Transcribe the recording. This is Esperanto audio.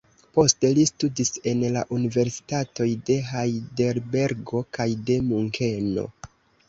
Poste li studis en la Universitatoj de Hajdelbergo kaj de Munkeno.